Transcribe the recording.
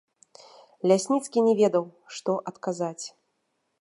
Лясніцкі не ведаў, што адказаць.